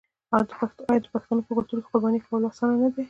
آیا د پښتنو په کلتور کې د قربانۍ ورکول اسانه نه دي؟